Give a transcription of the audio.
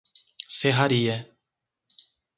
Serraria